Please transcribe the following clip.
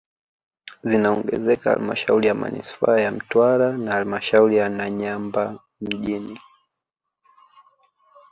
Zinaongezeka halmashauri ya manispaa ya Mtwara na halmashauri ya Nanyamba mjini